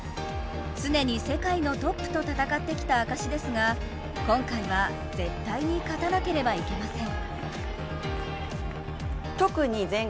常に世界のトップと戦ってきた証ですが今回は絶対に勝たなければいけません。